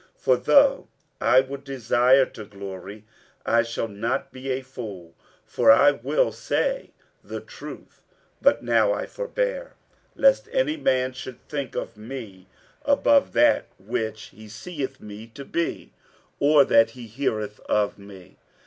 47:012:006 For though I would desire to glory, I shall not be a fool; for I will say the truth: but now I forbear, lest any man should think of me above that which he seeth me to be, or that he heareth of me.